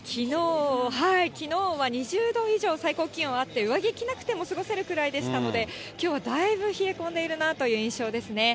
きのうは２０度以上、最高気温あって、上着着なくても過ごせるくらいでしたので、きょうはだいぶ冷え込んでいるなという印象ですね。